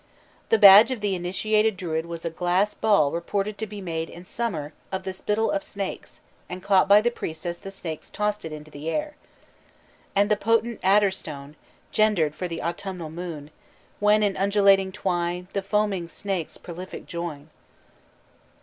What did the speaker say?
The badge of the initiated Druid was a glass ball reported to be made in summer of the spittle of snakes, and caught by the priests as the snakes tossed it into the air. "And the potent adder stone Gender'd 'fore the autumnal moon When in undulating twine The foaming snakes prolific join."